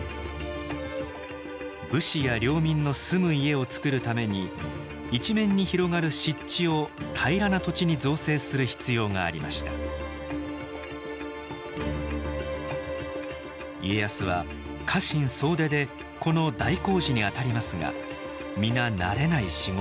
武士や領民の住む家をつくるために一面に広がる湿地を平らな土地に造成する必要がありました家康は家臣総出でこの大工事にあたりますが皆慣れない仕事。